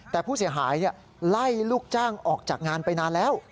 แต่ผู้เสียหายไล่ลูกจ้างออกจากงานไปนานแล้ว